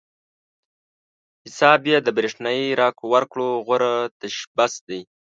حساب پې د برېښنايي راکړو ورکړو غوره تشبث دی.